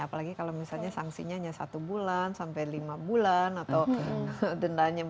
apalagi kalau misalnya sanksinya hanya satu bulan sampai lima bulan atau dendaannya empat lima ratus